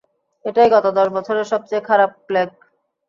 এটাই গত দশ বছরের সবচেয়ে খারাপ প্লেগ।